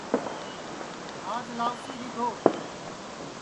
آج لاؤسی رِیدھو